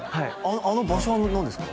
あの場所は何ですか？